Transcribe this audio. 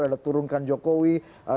ada turunkan jokowi